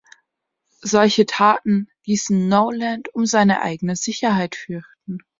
Solche Taten ließen Knowland um seine eigene Sicherheit fürchten.